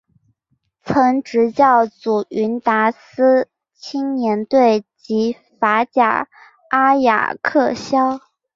曾执教祖云达斯青年队及法甲阿雅克肖。